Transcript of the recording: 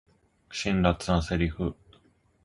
辛辣なセリフ